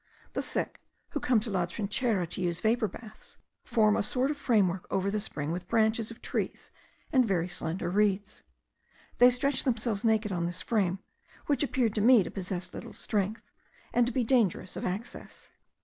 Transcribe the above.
The sick, who come to La Trinchera to use vapour baths, form a sort of frame work over the spring with branches of trees and very slender reeds. They stretch themselves naked on this frame, which appeared to me to possess little strength, and to be dangerous of access.